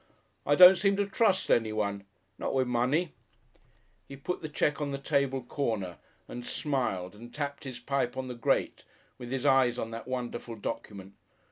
I don't seem to trust anyone not with money." He put the cheque on the table corner and smiled and tapped his pipe on the grate with his eyes on that wonderful document.